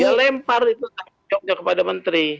dia lempar itu tanggung jawabnya kepada menteri